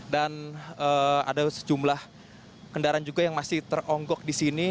dan ada sejumlah kendaraan juga yang masih teronggok di sini